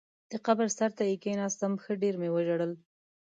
د قبر سر ته یې کېناستم، ښه ډېر مې وژړل.